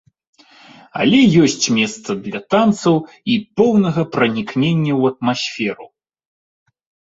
Але ёсць месца для танцаў і поўнага пранікнення ў атмасферу.